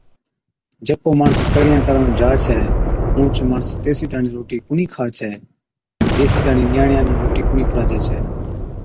جڪو ماڻس ڪرڻِيان ڪرائُون جا ڇَي اُونھچ ماڻس تيسِي تاڻِين روٽِي ڪونھِي کا ڇي جيسِي تاڻِين نِياڻِيا نُون روٽِي ڪونھِي کُڙاجَي ڇَي